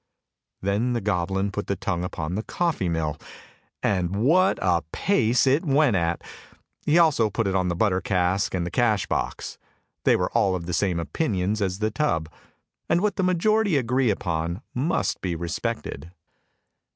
Then the goblin put the tongue upon the coffee mill, and what a pace it went at! He also put it on the butter cask and the cash box. They were all of the same opinion as the tub; and what the majority agree upon must be respected.